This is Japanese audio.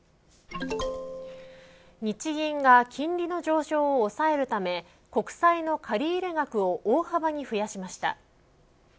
日銀が金利の上昇を抑えるため国債の借入額を大幅に増やしました。